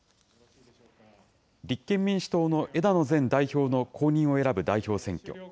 立憲民主党の枝野前代表の後任を選ぶ代表選挙。